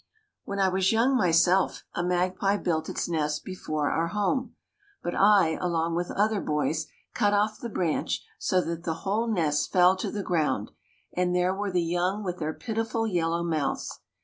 When I was young myself a magpie built its nest before our home, but I, along with other boys, cut off the branch so that the whole nest fell to the ground, and there were the young with their pitiful yellow mouths.